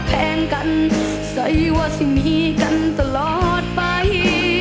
แทงกันใส่ว่าสิมีกันตลอดไป